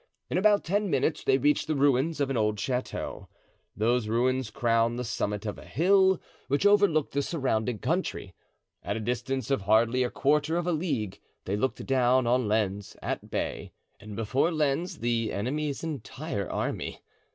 In about ten minutes they reached the ruins of an old chateau; those ruins crowned the summit of a hill which overlooked the surrounding country. At a distance of hardly a quarter of a league they looked down on Lens, at bay, and before Lens the enemy's entire army.